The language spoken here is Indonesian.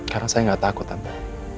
karena saya gak takut tante